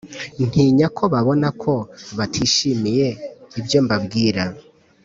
Ntinya ko nabona ko batishimiye ibyo mbabwira